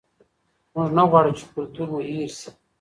موږ نه غواړو چې کلتور مو هېر شي.